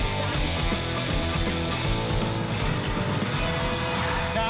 สวัสดีครับ